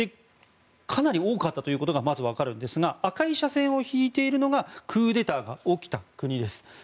かなり多かったということがまずわかるんですが赤い斜線を引いているのがクーデターが起きた国です。